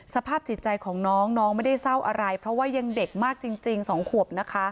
สภาพจิตใจของน้องน้องไม่ได้เศร้าอะไรเพราะว่ายังเด็กมากจริง๒ขวบนะคะ